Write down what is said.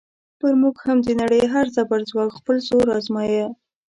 پر موږ هم د نړۍ هر زبرځواک خپل زور ازمایه.